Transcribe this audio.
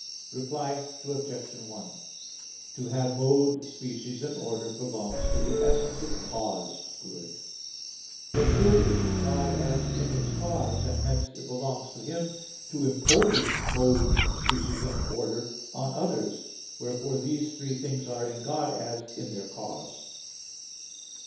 Reply Obj. 1: To have mode, species and order belongs to the essence of caused good; but good is in God as in its cause, and hence it belongs to Him to impose mode, species and order on others; wherefore these three things are in God as in their cause.